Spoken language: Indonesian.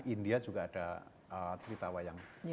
india juga ada cerita wayang